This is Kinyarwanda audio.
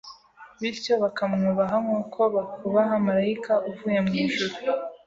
bityo bakamwubaha nk’uko bakubaha marayika uvuye mu ijuru,